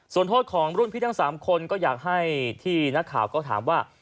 ส่วนโทษของรุ่นพี่ทั้ง๓คนก็อยากให้ที่นักข่าวก็ถามว่า